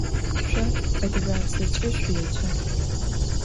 Şso adıgabzeç'e şsuêce.